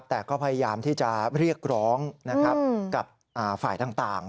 แต่ก็พยายามที่จะเรียกร้องกับฝ่ายต่าง